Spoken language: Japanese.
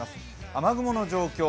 雨雲の状況。